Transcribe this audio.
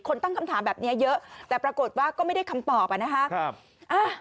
ตั้งคำถามแบบนี้เยอะแต่ปรากฏว่าก็ไม่ได้คำตอบอ่ะนะคะ